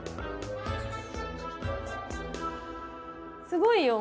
すごいよ。